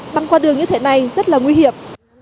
băng qua đường như thế này rất là nguy hiểm